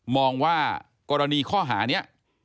มองว่ากรณีข้อหานี้